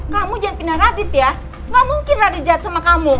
kamu jangan pindah radit ya gak mungkin radi jad sama kamu